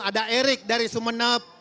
ada erik dari sumeneb